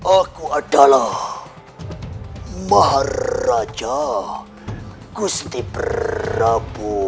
aku adalah maraja gusti prabu